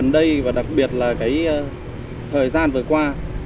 đặc biệt là thời gian vừa qua